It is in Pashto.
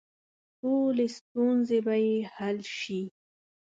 ټولې ستونزې به یې حل شي.